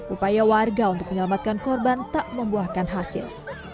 upaya warga untuk menyelamatkan korban tak membuahkan hasil